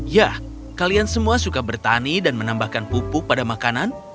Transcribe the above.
ya kalian semua suka bertani dan menambahkan pupuk pada makanan